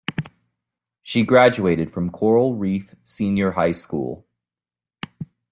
She graduated from Coral Reef Senior High School.